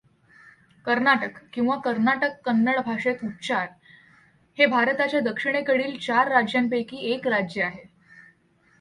कर्नाटक, किंवा कर्णाटक कन्नड भाषेत उच्चार हे भारताच्या दक्षिणेकडील चार राज्यांपैकी एक राज्य आहे.